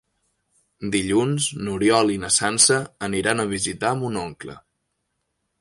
Dilluns n'Oriol i na Sança aniran a visitar mon oncle.